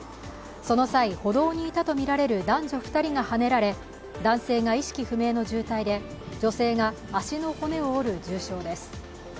その際、歩道にいたとみられる男女２人がはねられ男性が意識不明の重体で女性が足の骨を折る重傷です。